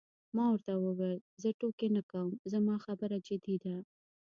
ما ورته وویل: زه ټوکې نه کوم، زما خبره جدي ده.